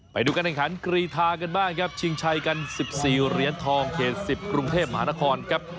ไปดูการแข่งขันกรีธากันบ้างครับชิงชัยกัน๑๔เหรียญทองเขต๑๐กรุงเทพมหานครครับ